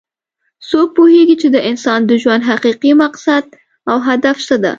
څوک پوهیږي چې د انسان د ژوند حقیقي مقصد او هدف څه ده